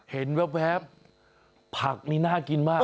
เห็นแป๊บผักนี่น่ากินมาก